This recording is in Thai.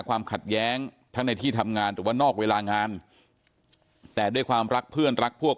ความขัดแย้งในที่ทำงานหรือว่านอกเวลางานผืนรักพวก